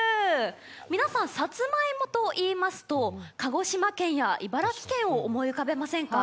皆さん、さつまいもと言いますと鹿児島県や茨城県を思い浮かべませんか？